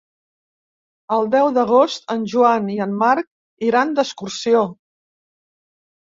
El deu d'agost en Joan i en Marc iran d'excursió.